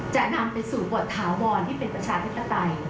จะนำไปสู่บทถาวรที่เป็นประชาธิปไตย